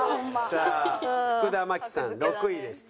さあ福田麻貴さん６位でした。